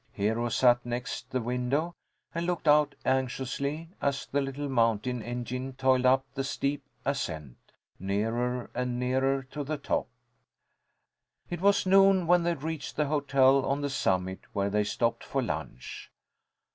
Hero sat next the window, and looked out anxiously, as the little mountain engine toiled up the steep ascent, nearer and nearer to the top. It was noon when they reached the hotel on the summit where they stopped for lunch.